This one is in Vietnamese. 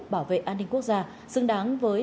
bảo vệ an ninh quốc gia xứng đáng với